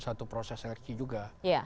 satu proses rsi juga